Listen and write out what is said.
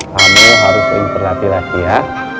kamu harus sering berlatih latih ya